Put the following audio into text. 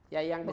ya yang disebut